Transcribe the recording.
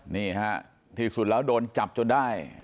นี่ฮะที่สุดแล้วโดนจับจนได้